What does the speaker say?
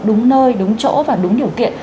đúng nơi đúng chỗ và đúng điều kiện